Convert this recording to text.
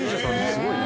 すごいね。